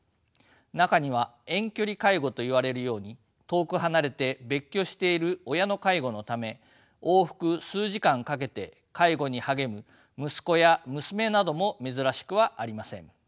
中には遠距離介護といわれるように遠く離れて別居している親の介護のため往復数時間かけて介護に励む息子や娘なども珍しくはありません。